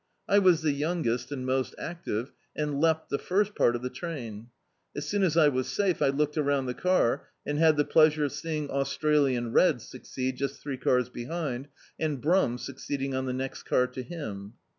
I was the youngest and most active, and leapt the first part of the train. As soon as I was safe I looked around the car, and had the pleasure of seeing Australian Red succeed just three cars behind, and Brum suc ceeding on the next car to hun.